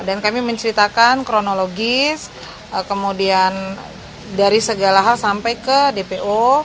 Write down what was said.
dan kami menceritakan kronologis kemudian dari segala hal sampai ke dpo